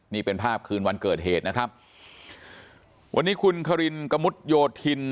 นี่เป็นภาพคืนวันเกิดเหตุนะครับวันนี้คุณคารินกะมุดโยธิน